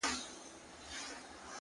• غلیمان به یې تباه او نیمه خوا سي,